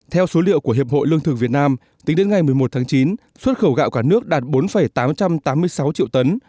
theo số liệu của hiệp hội lương thực việt nam tính đến ngày một mươi một tháng chín xuất khẩu gạo cả nước đạt bốn tám trăm tám mươi sáu triệu tấn